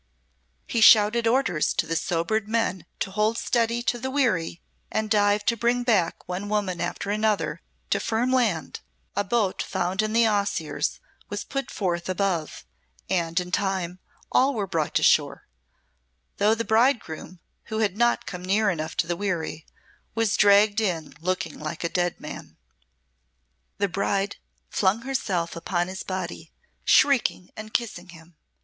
He shouted orders to the sobered men to hold steady to the wherry and dived to bring back one woman after another to firm land; a boat found in the osiers was put forth above, and in time all were brought to shore, though the bridegroom, who had not come near enough to the wherry, was dragged in looking like a dead man. The bride flung herself upon his body, shrieking and kissing him.